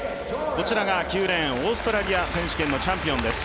こちらが９レーン、オーストラリア選手権のチャンピオンです。